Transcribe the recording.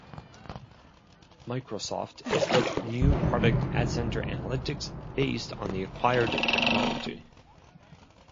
Microsoft has built new product AdCenter Analytics based on the acquired technology.